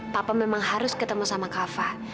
papa memang harus ketemu sama kava